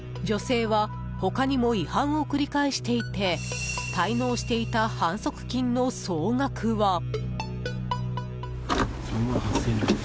女性は他にも違反を繰り返していて滞納していた反則金の総額は。